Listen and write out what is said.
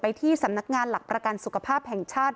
ที่สำนักงานหลักประกันสุขภาพแห่งชาติ